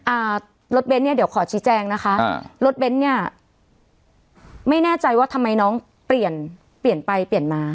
อ่ารถเบ้นเนี้ยเดี๋ยวขอชี้แจงนะคะอ่ารถเบ้นเนี่ยไม่แน่ใจว่าทำไมน้องเปลี่ยนเปลี่ยนไปเปลี่ยนมา